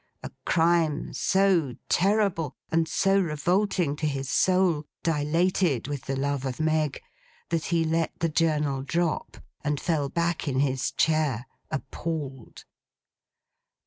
A crime so terrible, and so revolting to his soul, dilated with the love of Meg, that he let the journal drop, and fell back in his chair, appalled!